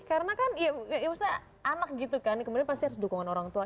karena kan ya usah anak gitu kan kemudian pasti harus dukungan orang tua